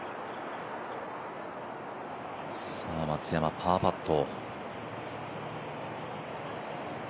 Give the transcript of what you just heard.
松山、パーパット。